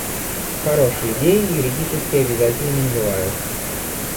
Хорошие идеи юридически обязательными не бывают.